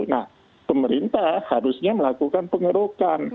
nah pemerintah harusnya melakukan pengerukan